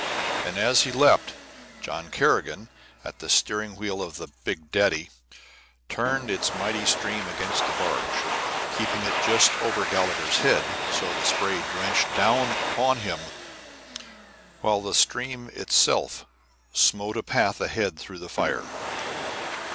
And as he leaped, John Kerrigan, at the steering wheel of Big Daddy, turned its mighty stream against the barge, keeping it just over Gallagher's head, so that the spray drenched down upon him while the stream itself smote a path ahead through the fire.